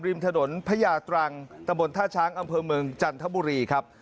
ริมถนนพญาตรังตะบนท่าช้างอำเภอเมืองจันทบุรีครับ